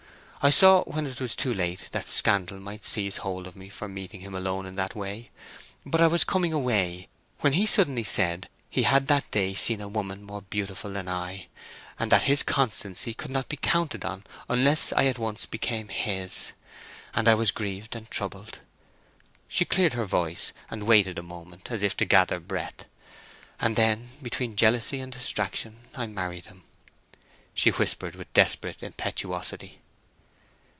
I saw, when it was too late, that scandal might seize hold of me for meeting him alone in that way. But I was coming away, when he suddenly said he had that day seen a woman more beautiful than I, and that his constancy could not be counted on unless I at once became his.... And I was grieved and troubled—" She cleared her voice, and waited a moment, as if to gather breath. "And then, between jealousy and distraction, I married him!" she whispered with desperate impetuosity.